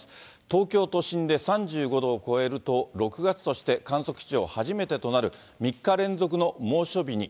東京都心で３５度を超えると、６月として観測史上初めてとなる、３日連続の猛暑日に。